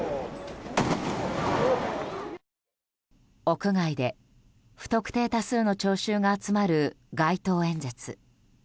屋外で不特定多数の聴衆が集まる街頭演説。